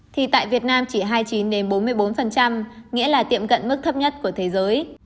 thì tại việt nam chỉ hai mươi chín bốn mươi bốn nghĩa là tiệm cận mức thấp nhất của thế giới